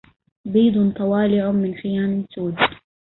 بيض طوالع من خيام سود